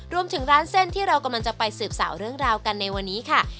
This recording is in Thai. รวมถึงร้านเส้นที่เรากำลังจะไปสืบสาวเรื่องราวกันในวันนี้ค่ะ